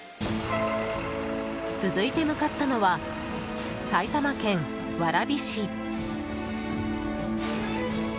続いて向かったのは埼玉県蕨市。